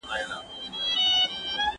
نهٔ مې ؤلیدو دا ستا پهٔ شان دلبر بل